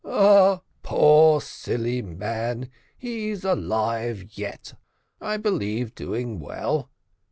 "Ah, poor silly man! he's alive yet I believe doing well.